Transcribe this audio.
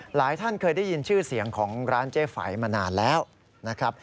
หลายท่านเคยได้ยินชื่อเสียงของร้านเจ๊ไฝมานานแล้วนะครับ